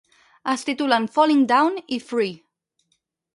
Es titulen "Falling Down" i "Free".